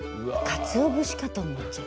かつお節かと思っちゃう。